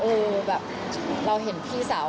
แบบเราเห็นพี่สาว